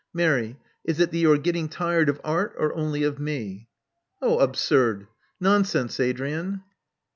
Mary: is it that you are getting tired of Art, or only of me?" "Oh, absurd! nonsense, Adrian!"